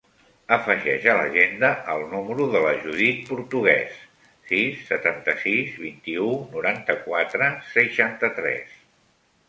Afegeix a l'agenda el número de la Judit Portugues: sis, setanta-sis, vint-i-u, noranta-quatre, seixanta-tres.